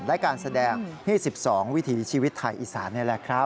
และการแสดง๒๒วิถีชีวิตไทยอีสานนี่แหละครับ